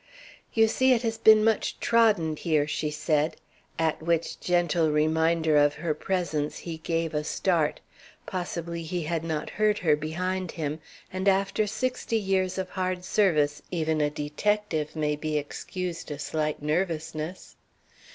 "You see, it has been much trodden here," she said; at which gentle reminder of her presence he gave a start; possibly he had not heard her behind him, and after sixty years of hard service even a detective may be excused a slight nervousness.